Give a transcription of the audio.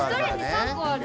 ３こある。